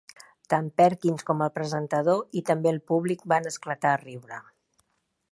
Tant Perkins com el presentador i també el públic van esclatar a riure.